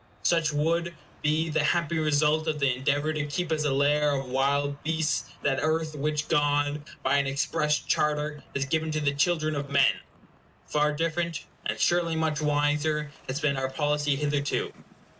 Such would be the happy result of the endeavor to keep as a lair of wild beasts that earth which God, by an express charter, has given to the children of men. Far different, and surely much wiser, has been our policy hitherto.